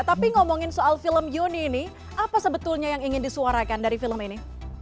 tapi ngomongin soal film juni ini apa sebetulnya yang ingin disuarakan dari film ini